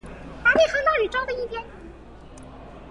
把你轟到宇宙另一邊